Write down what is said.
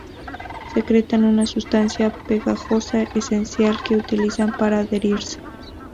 Secretan una sustancia pegajosa esencial que utilizan para adherirse.